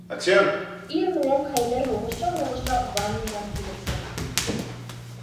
Ир менән Хәйҙәр һуғыша-һуғыша ванныйҙан килеп сыға.